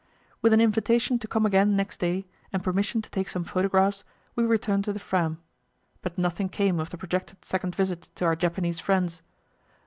With an invitation to come again next day, and permission to take some photographs, we returned to the Fram; but nothing came of the projected second visit to our Japanese friends.